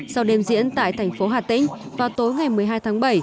sau đêm diễn tại thành phố hà tĩnh vào tối ngày một mươi hai tháng bảy